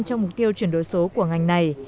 trong mục tiêu chuyển đổi số của ngành này